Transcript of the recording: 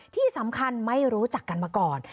ที่สำคัญไม่รู้จักกันมาก่อน